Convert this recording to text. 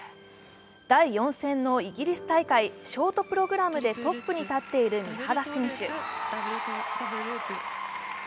第４戦のイギリス大会ショートプログラムでトップに立っている三原選手。